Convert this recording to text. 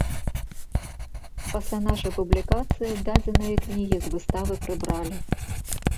Пасля нашай публікацыі дадзеныя кнігі з выставы прыбралі.